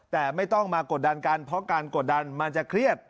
แต่ไม่ต้องมากดดันกันเพราะการกดดันมันจะเครียด